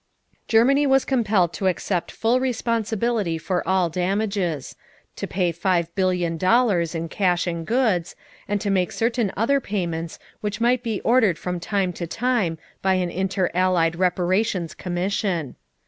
Germany was compelled to accept full responsibility for all damages; to pay five billion dollars in cash and goods, and to make certain other payments which might be ordered from time to time by an inter allied reparations commission.